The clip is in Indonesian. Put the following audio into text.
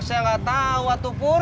saya gak tau atuh pur